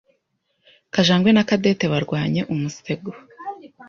Kajangwe Na Cadette barwanye umusego.